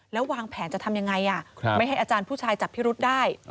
แล้ววางแผนจะทำยังไงไม่ให้อาจารย์ผู้ชายจับพิรุษได้